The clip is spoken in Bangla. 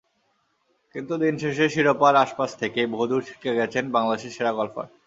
কিন্তু দিন শেষে শিরোপার আশপাশ থেকেই বহুদূর ছিটকে গেছেন বাংলাদেশের সেরা গলফার।